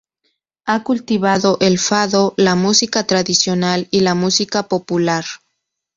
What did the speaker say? Ha cultivado el fado, la música tradicional y la música popular.